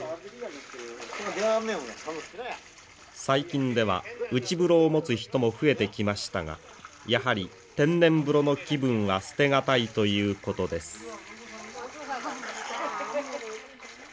最近では内風呂を持つ人も増えてきましたがやはり天然風呂の気分は捨てがたいということです。